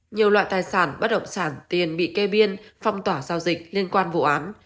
nhiều loại tài sản bất động sản tiền bị kê biên phong tỏa giao dịch liên quan vụ án